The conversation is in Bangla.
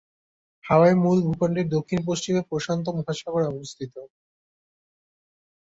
হাওয়াই মূল ভূখণ্ডের দক্ষিণ-পশ্চিমে প্রশান্ত মহাসাগরে অবস্থিত।